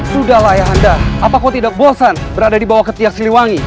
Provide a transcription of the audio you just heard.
sudahlah ya anda apakah tidak bosan berada di bawah ketiak siliwangi